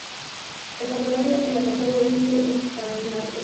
El campanario en la fachada oeste es de espadaña.